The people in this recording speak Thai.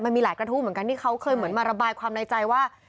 มันมีหลายกระทู้เหมือนกันที่เขาเคยเหมือนมาระบายความในใจว่า